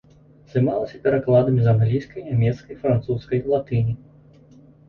Займалася перакладамі з англійскай, нямецкай, французскай, латыні.